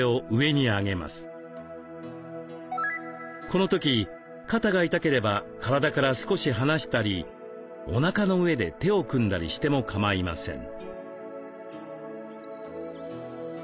この時肩が痛ければ体から少し離したりおなかの上で手を組んだりしても構いません。